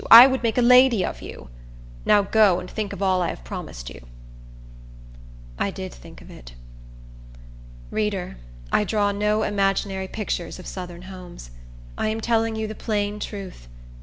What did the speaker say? I would make a lady of you. Now go, and think of all I have promised you." I did think of it. Reader, I draw no imaginary pictures of southern homes. I am telling you the plain truth.